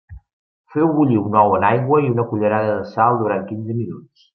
Feu bullir un ou en aigua i una cullerada de sal durant quinze minuts.